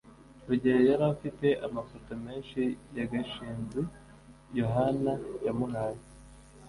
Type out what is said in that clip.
rugeyo yari afite amafoto menshi ya gashinzi yohana yamuhaye